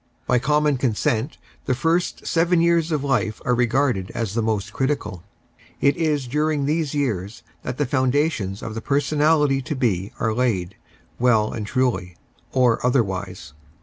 By common consent the first seven years of life are regarded as the most critical. _ It is during these years that the foundations of the personality to be are laid—" well and truly " or otherwise.